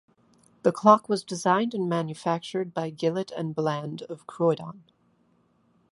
The clock was designed and manufactured by Gillett and Bland of Croydon.